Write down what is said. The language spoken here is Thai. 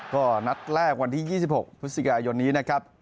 ก็นัดแรกวันที่๒๖พฤศจิกายนนี้นะครับ